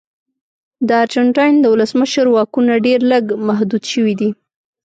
د ارجنټاین د ولسمشر واکونه ډېر لږ محدود شوي دي.